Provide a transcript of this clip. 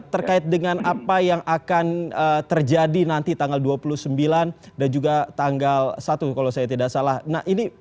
terkait dengan apa yang akan terjadi nanti tanggal dua puluh sembilan dan juga tanggal satu kalau saya tidak salah nah ini